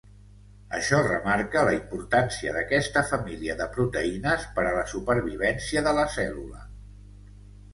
Això remarca la importància d’aquesta família de proteïnes per a la supervivència de la cèl·lula.